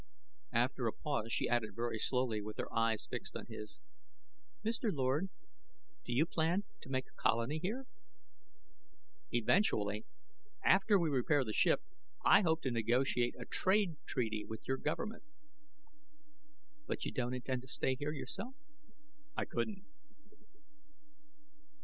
After a pause, she added very slowly, with her eyes fixed on his, "Mr. Lord, do you plan to make a colony here?" "Eventually. After we repair the ship, I hope to negotiate a trade treaty with your government." "But you don't intend to stay here yourself?" "I couldn't."